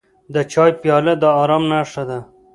د چای پیاله د ارام نښه ده.